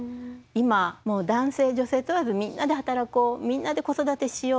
今男性女性問わずみんなで働こうみんなで子育てしよう